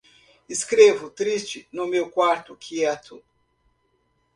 Escrevo, triste, no meu quarto quieto